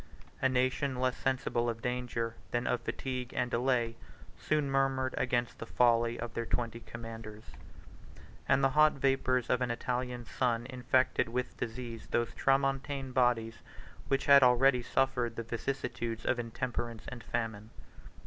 A nation, less sensible of danger than of fatigue and delay, soon murmured against the folly of their twenty commanders; and the hot vapors of an Italian sun infected with disease those tramontane bodies which had already suffered the vicissitudes of intemperance and famine.